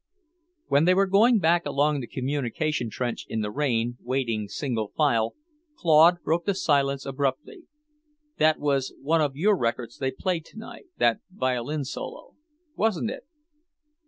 When they were going back along the communication trench in the rain, wading single file, Claude broke the silence abruptly. "That was one of your records they played tonight, that violin solo, wasn't it?"